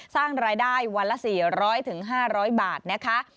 สร้างรายได้วันละ๔๐๐๕๐๐บาทนะคะ